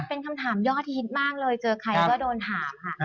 เป็นคำถามยอดฮิตมากเลยเจอใครก็โดนถามค่ะ